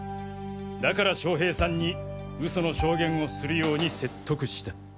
だから将平さんに嘘の証言をするように説得した。